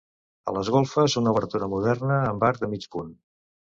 A les golfes una obertura moderna amb arc de mig punt.